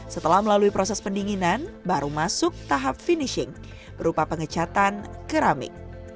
setelah melalui proses pendinginan baru masuk tahap finishing berupa pengecatan keramik